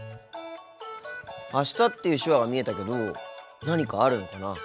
「あした」っていう手話が見えたけど何かあるのかな？